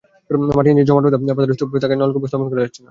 মাটির নিচে জমাট বাঁধা পাথরের স্তূপ থাকায় নলকূপও স্থাপন করা যাচ্ছে না।